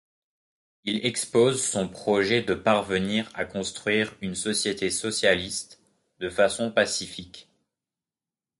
Il expose son projet de parvenir à construire une société socialiste de façon pacifique.